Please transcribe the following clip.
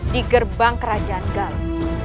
di gerbang kerajaan galung